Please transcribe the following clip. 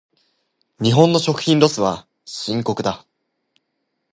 日本の食品ロスは深刻だ。